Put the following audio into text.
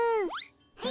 はい。